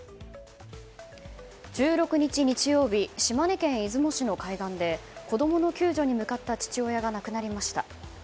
１６日、日曜日島根県出雲市の海岸で子供の救助に向かった父親が亡くなりました。